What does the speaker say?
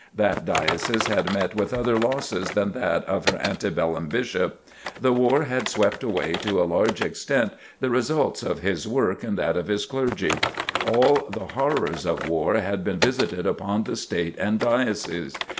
That Diocese had met with other losses than that of her ante bellum Bishop. The war had swept away, to a large extent, the results of his work and that of his clergy. All the horrors of war had been visited upon the State and Diocese.